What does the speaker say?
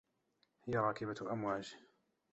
هي راكبة أمواج.